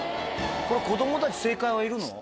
子供たち正解はいるの？